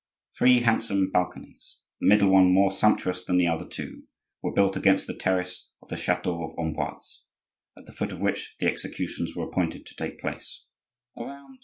Three handsome balconies, the middle one more sumptuous than the other two, were built against the terrace of the chateau of Amboise, at the foot of which the executions were appointed to take place.